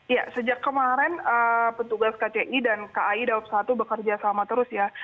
ya sejak kemarin petugas kci dan kai dawab satu bekerja sama terus ya